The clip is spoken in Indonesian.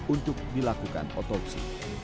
untuk dilakukan otopsi